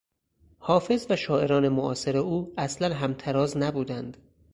حافظ و شاعران معاصر او اصلا همتراز نبودند.